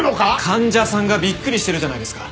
患者さんがびっくりしてるじゃないですか。